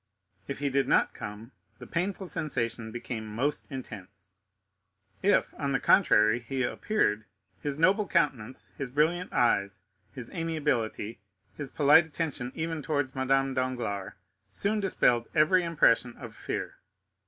If he did not come, the painful sensation became most intense; if, on the contrary, he appeared, his noble countenance, his brilliant eyes, his amiability, his polite attention even towards Madame Danglars, soon dispelled every impression of fear.